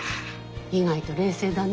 意外と冷静だね。